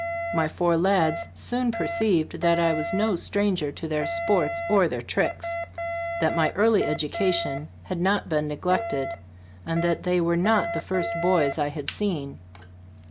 My four lads soon perceived that I Zhc StotB of ttsv Gbffoboob 1 19 was no stranger to their sports or their tricks; that my early education had not been neglected, and that they were not the first boys I had seen.